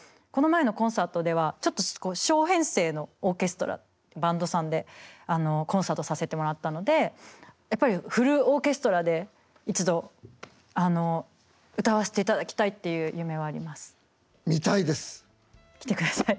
この前のコンサートではちょっと小編成のオーケストラバンドさんでコンサートさせてもらったのでやっぱりフルオーケストラで一度歌わせていただきたいっていう夢はあります。